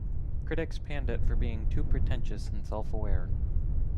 Critics panned it for being too pretentious and self-aware.